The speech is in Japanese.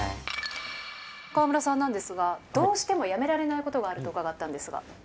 川村さんなんですが、どうしてもやめられないことがあると伺ったんですが。